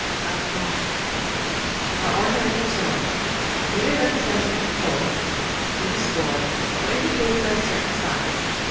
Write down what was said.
agréments_) are ornamental tones, either represented in full in the score or indicated by certain signs.